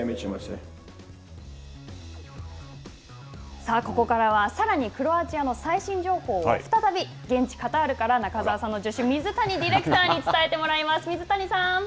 さあ、ここからは、さらにクロアチアの最新情報を再び現地カタールから中澤さんの助手、水谷ディレクターに伝えてもらいます。